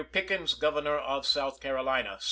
Pickens, Governor of South Carolina.